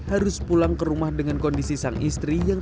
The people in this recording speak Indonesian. harus pulang ke rumah dengan kondisi sang istri yang